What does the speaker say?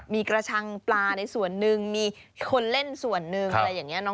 มีกระชังปลาในส่วนหนึ่งมีคนเล่นส่วนหนึ่งอะไรอย่างนี้